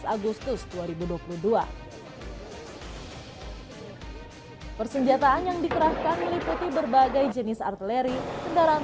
agustus dua ribu dua puluh dua persenjataan yang dikerahkan meliputi berbagai jenis artileri kendaraan